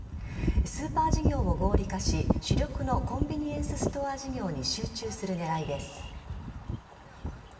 スーパー事業を合理化し主力のコンビニエンスストア事業に集中する狙いです。